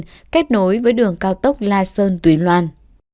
điểm cuối với đường cao tốc lightstone tuyến loan